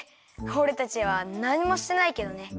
おれたちはなにもしてないけどね。